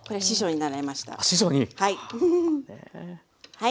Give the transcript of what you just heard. はい。